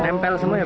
tempel semua ya